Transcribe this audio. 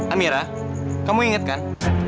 amira kamu inget kan